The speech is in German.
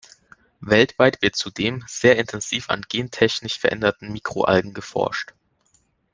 Weltweit wird zudem sehr intensiv an gentechnisch veränderten Mikroalgen geforscht.